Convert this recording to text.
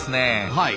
はい。